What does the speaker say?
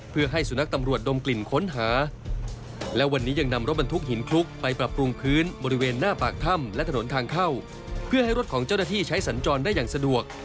เพื่อให้รถของเจ้าหน้าที่ใช้สัญจรได้อย่างสะดวก